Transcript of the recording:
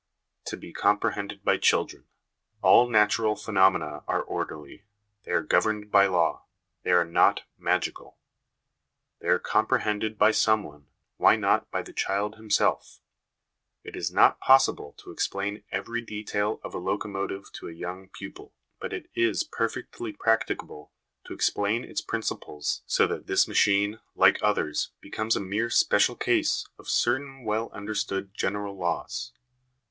To be Comprehended by Children. " All natural phenomena are orderly ; they are governed by law ; they are not magical. They are comprehended by someone; why not by the child himself? It is not possible to explain every detail of a locomotive to a young pupil, but it is perfectly practicable to explain its principles so that this machine, like others, becomes a mere special case of certain well understood general laws.